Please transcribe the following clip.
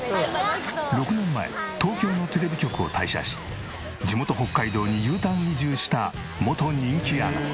６年前東京のテレビ局を退社し地元北海道にＵターン移住した元人気アナ。